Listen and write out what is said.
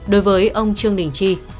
đối với ông trương đình chi